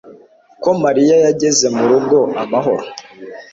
ko Mariya yageze mu rugo amahoro